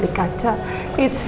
aku tak tahu